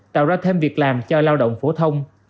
tạo ra thêm việc làm cho lao động phổ thông